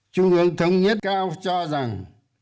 trung ương thống nhất cao cho rằng